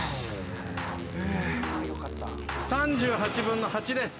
３８分の８です。